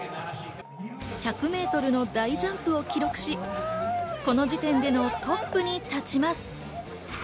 １００メートルの大ジャンプを記録し、この時点でのトップに立ちます。